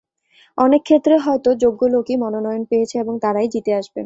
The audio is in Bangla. অনেক ক্ষেত্রে হয়তো যোগ্য লোকই মনোনয়ন পেয়েছেন এবং তাঁরাই জিতে আসবেন।